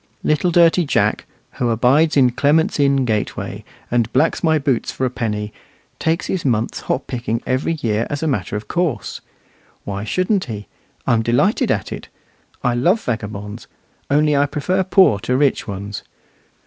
Little dirty Jack, who abides in Clement's Inn gateway, and blacks my boots for a penny, takes his month's hop picking every year as a matter of course. Why shouldn't he? I'm delighted at it. I love vagabonds, only I prefer poor to rich ones.